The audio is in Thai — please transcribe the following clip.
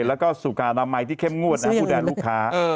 แล้วก็สุขอนามัยที่เข้มงวดนะผู้แทนลูกค้า